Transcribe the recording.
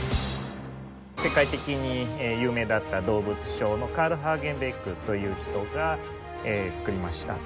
世界的に有名だった動物商のカール・ハーゲンベックという人が作りました。